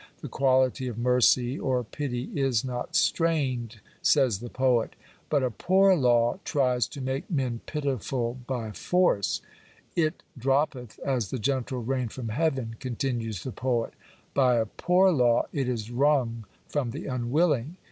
The quality of mercy (or pity) is not strained," says the poet. But a poor law tries to make men pitiful by force. " It droppeth as the gentle rain from heaven/' continues the poet By a poor law it is wrung from the unwilling.